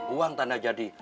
uang tanda jadi